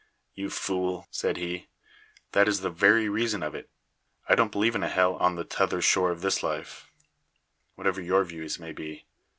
"You fool!" said he, "that is the very reason of it. I don't believe in a hell on the t'other shore of this life, whatever your views may be.